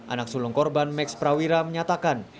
anak sulung korban max prawira menyatakan